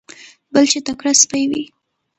بل چې تکړه سپی وي.